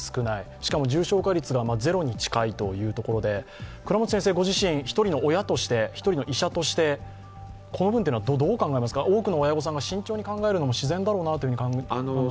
しかも重症化率がゼロに近いというところで１人の親として、１人の医者としてこの部分はどう考えますか、多くの親御さんが考えるのも自然だろうなと考えますが。